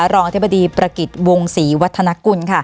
รองอธิบดีประกิจวงศรีวัฒนกุล